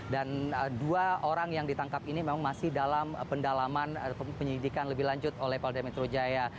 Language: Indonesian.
dua orang yang ditangkap ini memang masih dalam pendalaman penyelidikan lebih lanjut oleh polda metro jaya